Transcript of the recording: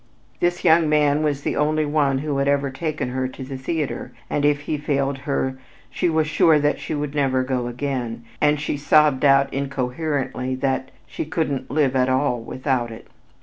This young man was the only one who had ever taken her to the theater and if he failed her, she was sure that she would never go again, and she sobbed out incoherently that she "couldn't live at all without it."